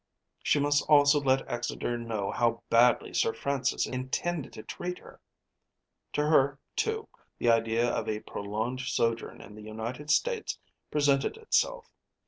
She must also let Exeter know how badly Sir Francis intended to treat her. To her, too, the idea of a prolonged sojourn in the United States presented itself.